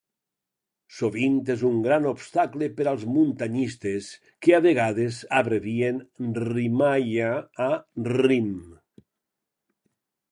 Sovint és un gran obstacle per als muntanyistes, que a vegades abrevien "rimaia" a "rim".